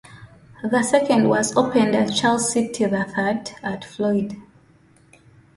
The second was opened at Charles City, the third at Floyd.